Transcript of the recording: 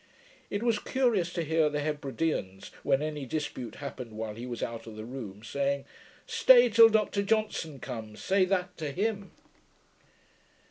It was curious to hear the Hebridians, when any dispute happened while he was out of the room, saying, 'Stay till Dr Johnson comes: say that to HIM!'